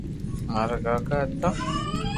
مارا ڪاڪا ھتا